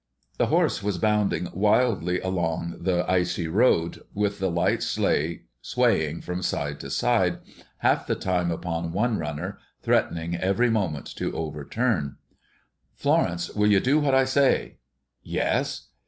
The horse was bounding wildly along the icy road, with the light sleigh swaying from side to side, half the time upon one runner, threatening every moment to overturn. "Florence, will you do what I say?" "Yes."